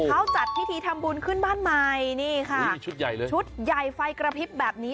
เขาจัดพิธีทำบุญขึ้นบ้านใหม่นี่ค่ะนี่ชุดใหญ่เลยชุดใหญ่ไฟกระพริบแบบนี้